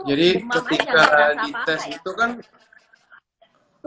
jadi ketika dites itu kan